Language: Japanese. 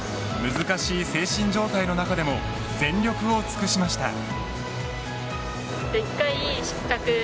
難しい精神状態の中でも全力を尽くしました。